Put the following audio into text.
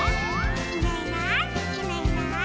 「いないいないいないいない」